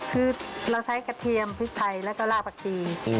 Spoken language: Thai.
คือเราใช้กระเทียมพริกไทยแล้วก็ลาบผักชี